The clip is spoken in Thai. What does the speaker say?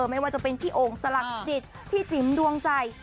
ไม่ว่าจะเป็นพี่โอ่งสลักจิตพี่จิ๋มดวงใจ